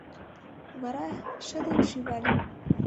Вара шыдын шӱвале.